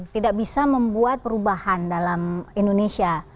tidak bisa membuat perubahan dalam indonesia